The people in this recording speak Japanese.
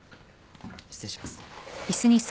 失礼します。